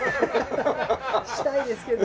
したいですけど。